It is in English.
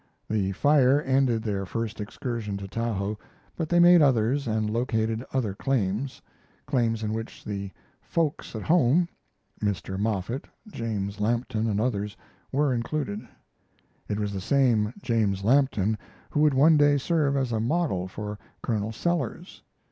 The fire ended their first excursion to Tahoe, but they made others and located other claims claims in which the "folks at home," Mr. Moffett, James Lampton, and others, were included. It was the same James Lampton who would one day serve as a model for Colonel Sellers.